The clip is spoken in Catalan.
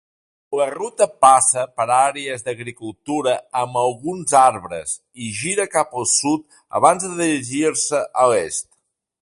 La ruta passa per àrees d'agricultura amb alguns arbres i gira cap al sud abans de dirigir-se a l'est.